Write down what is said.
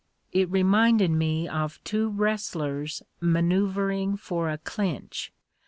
It re minded me of two wrestlers maneuvering for a clinch.